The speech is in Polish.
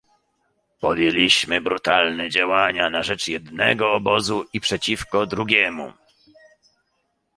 Podjęliśmy brutalne działania na rzecz jednego obozu i przeciwko drugiemu